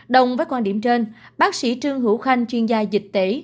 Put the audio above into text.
đồng với quan điểm trên bác sĩ trương hữu khanh chuyên gia dịch tễ